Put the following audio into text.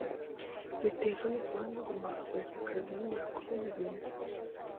Biteye isoni kubona nagombaga kureka akazi nkimara kubona ibintu.